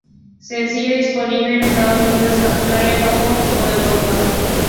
Sencillo disponible en Estados Unidos, Australia, Japón o Europa.